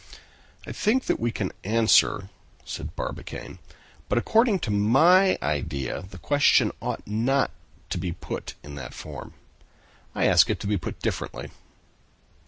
"I think that we can answer," said Barbicane; "but according to my idea the question ought not to be put in that form. I ask it to be put differently."